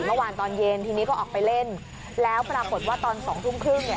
เมื่อวานตอนเย็นทีนี้ก็ออกไปเล่นแล้วปรากฏว่าตอนสองทุ่มครึ่งเนี่ย